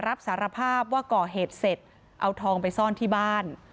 รับสารภาพว่าก่อเหตุเสร็จเอาทองไปซ่อนที่บ้าน